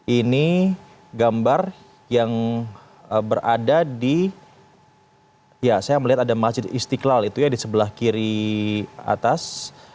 ini gambar yang berada di ya saya melihat ada masjid istiqlal itu ya di sebelah kiri atas